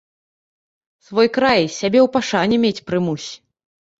Свой край, сябе ў пашане мець прымусь.